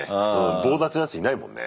棒立ちのやついないもんね。